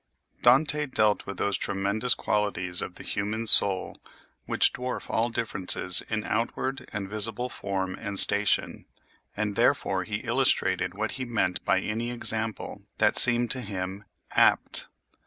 Dante dealt with those tremendous qualities of the human soul which dwarf all differences in outward and visible form and station, and therefore he illustrated what he meant by any example that seemed to him apt.